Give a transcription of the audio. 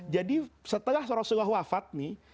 jadi setelah rasulullah wafat nih